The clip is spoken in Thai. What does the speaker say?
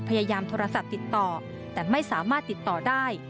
พยายามโทรศัพท์ติดต่อแต่ไม่สามารถติดต่อได้